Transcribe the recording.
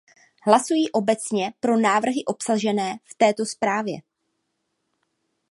Hlasuji obecně pro návrhy obsažené v této zprávě.